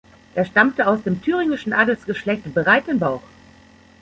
Er stammte aus dem thüringischen Adelsgeschlecht Breitenbauch.